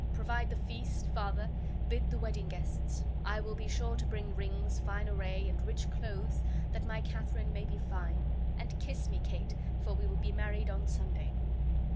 Provide the feast, father, bid the wedding guests. I will be sure to bring rings, fine array, and rich clothes, that my Katharine may be fine. And kiss me, Kate, for we will be married on Sunday."